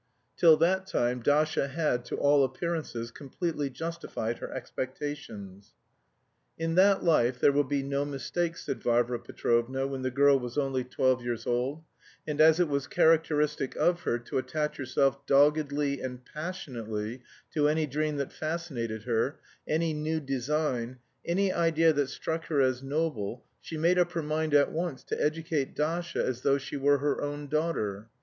Till that time Dasha had, to all appearances, completely justified her expectations. "In that life there will be no mistakes," said Varvara Petrovna when the girl was only twelve years old, and as it was characteristic of her to attach herself doggedly and passionately to any dream that fascinated her, any new design, any idea that struck her as noble, she made up her mind at once to educate Dasha as though she were her own daughter.